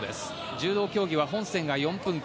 柔道競技は本戦が４分間。